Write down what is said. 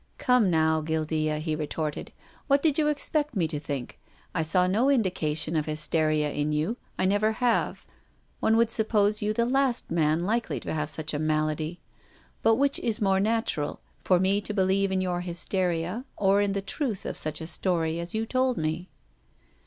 " Come now, Guildea," he retorted, " what did you expect me to think? I saw no indication of hysteria in you. I never have. One would sup pose you the last man likely to have such a mal ady. But which is more natural — for me to be lieve in your hysteria or in the truth of such a story as you told me